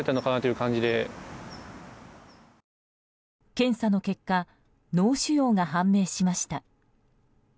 検査の結果脳腫瘍が判明しました。